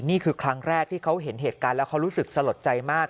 นี่คือครั้งแรกที่เขาเห็นเหตุการณ์แล้วเขารู้สึกสลดใจมาก